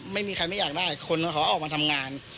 ไม่มีใครไม่อยากได้คนเขาออกมาทำงาน